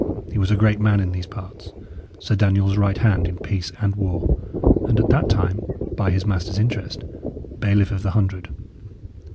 He was a great man in these parts; Sir Daniel's right hand in peace and war, and at that time, by his master's interest, bailiff of the hundred.